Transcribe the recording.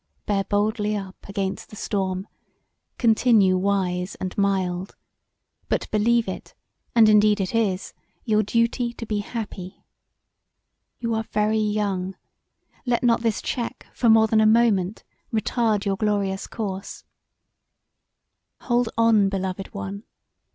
Bear boldly up against the storm: continue wise and mild, but believe it, and indeed it is, your duty to be happy. You are very young; let not this check for more than a moment retard your glorious course; hold on, beloved one.